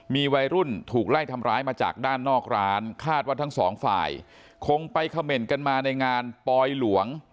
มีวัยรุ่นถูกไล่ทำร้ายมาจากด้านนอกร้านคาดว่าทั้งสองฝ่ายคงไปเขม่นกันมาในงานปลอยหลวง